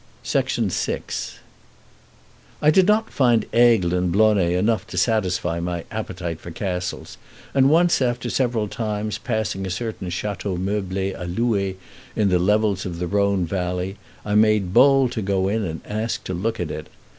VI I did not find Aigle and Blonay enough to satisfy my appetite for castles, and once, after several times passing a certain château meublé à louer in the levels of the Rhone Valley, I made bold to go in and ask to look at it.